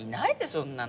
そんなの。